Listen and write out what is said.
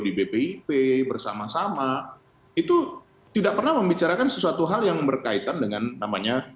di bpip bersama sama itu tidak pernah membicarakan sesuatu hal yang berkaitan dengan namanya